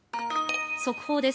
速報です。